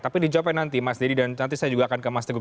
tapi dijawabkan nanti mas deddy dan nanti saya juga akan ke mas teguh